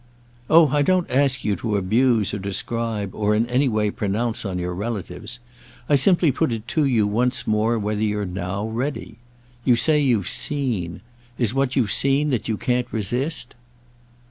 "Oh I don't ask you to abuse or describe or in any way pronounce on your relatives; I simply put it to you once more whether you're now ready. You say you've 'seen.' Is what you've seen that you can't resist?"